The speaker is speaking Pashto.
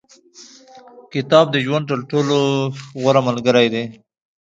• کتاب، د ژوند تر ټولو غوره ملګری دی.